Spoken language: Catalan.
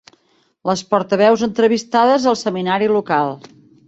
Les portaveus entrevistades al seminari local.